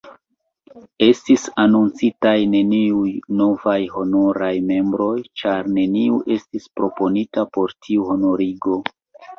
Estis anoncitaj neniuj novaj honoraj membroj, ĉar neniu estis proponita por tiu honorigo.